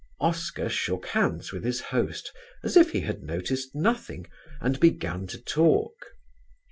Oscar shook hands with his host as if he had noticed nothing, and began to talk.